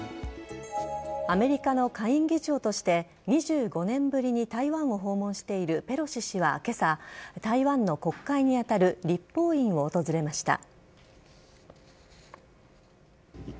アメリカの下院議長として２５年ぶりに台湾を訪問しているペロシ氏は今朝台湾の国会に当たる立法院を訪れました。